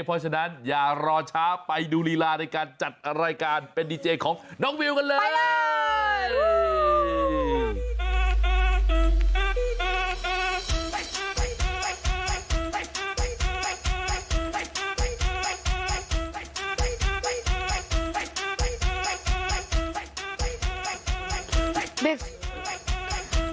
เพราะฉะนั้นอย่ารอช้าไปดูลีลาในการจัดรายการเป็นดีเจของน้องวิวกันเลย